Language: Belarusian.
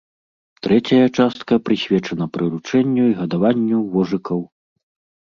Трэцяя частка прысвечана прыручэнню і гадаванню вожыкаў.